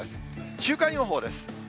週間予報です。